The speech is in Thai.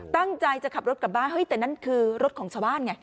ตั้งใจจะขับรถกลับบ้านเฮ้ยแต่นั่นคือรถของชาวบ้านไง